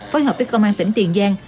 phối hợp với công an tỉnh tiền giang